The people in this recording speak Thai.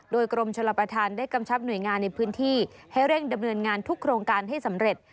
โดยกรมชลประธานได้กำชับหน่วยงานในพื้นที่ให้เร่งดำเนินงานทุกโครงการให้สำเร็จ